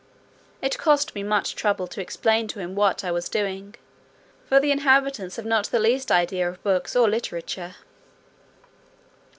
It cost me much trouble to explain to him what I was doing; for the inhabitants have not the least idea of books or literature.